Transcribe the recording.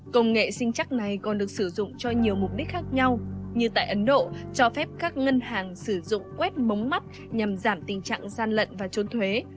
công nghệ sinh chắc này còn được sử dụng cho nhiều mục đích khác nhau như tại ấn độ cho phép các ngân hàng sử dụng quét mống mắt nhằm giảm tình trạng gian lận và trốn thuế